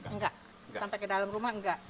enggak sampai ke dalam rumah enggak